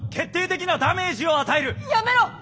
やめろ！